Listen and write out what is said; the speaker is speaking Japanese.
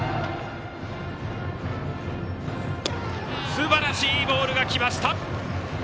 すばらしいボールがきました！